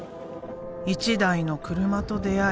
１台の車と出会い